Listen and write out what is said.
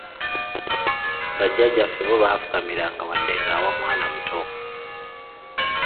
Bajjajjaffe bo baafukamiranga wadde ng'awa mwana muto.